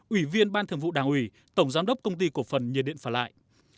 ủy viên ban thường vụ đảng ủy tổng giám đốc công ty cổ phần nhiệt điện phà lại